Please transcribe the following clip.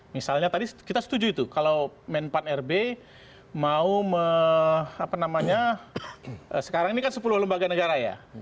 misalnya tadi kita setuju itu kalau men empat rb mau apa namanya sekarang ini kan sepuluh lembaga negara ya